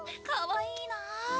かわいいな。